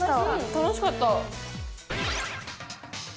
楽しかった。